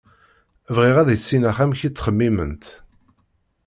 Bɣiɣ ad issineɣ amek i ttxemmiment.